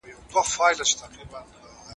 افغانان د لوړو قیمتونو له امله خلک ونه غولول.